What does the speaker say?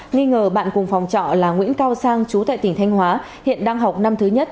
nghi ngờ bạn cùng phòng trọ là nguyễn cao sang chú tại tỉnh thanh hóa hiện đang học năm thứ nhất